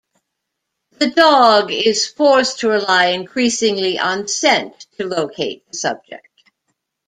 The dog is forced to rely increasingly on scent to locate the subject.